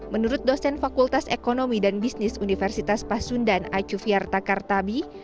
menurut dosen fakultas ekonomi dan bisnis universitas pasundan acu fiartakartabi